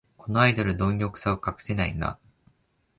このアイドル、どん欲さを隠さないな